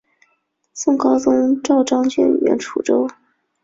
宋高宗诏张俊援楚州。